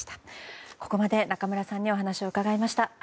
ここまで中村さんにお話を伺いました。